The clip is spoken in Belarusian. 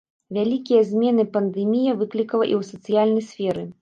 Вялікія змены пандэмія выклікала і ў сацыяльнай сферы.